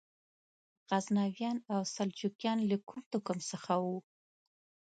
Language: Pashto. غزنویان او سلجوقیان له کوم توکم څخه وو؟